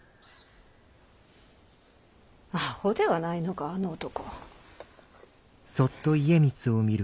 阿呆ではないのかあの男。